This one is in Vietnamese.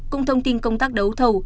cùng thông tin công tác đấu thầu